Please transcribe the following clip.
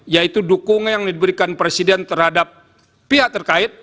yaitu dukungan yang diberikan presiden terhadap pihak terkait